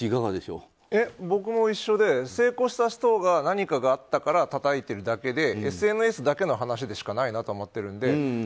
僕も同じで成功した人が何かがあったからたたいてるだけでＳＮＳだけの話でしかないと思っているので。